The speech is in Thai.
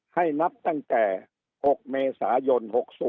นับตั้งแต่๖เมษายน๖๐